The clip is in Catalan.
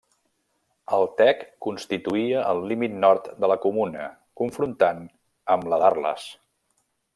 El Tec constituïa el límit nord de la comuna, confrontant amb la d'Arles.